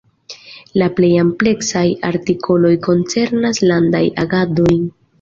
La plej ampleksaj artikoloj koncernas landajn agadojn.